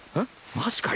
マジかよ。